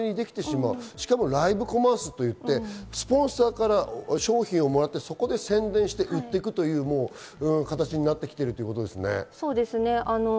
お金にできてしまうライブコマースと言って、スポンサーから商品をもらって、そこで宣伝して売っていくという形になってきているんですね。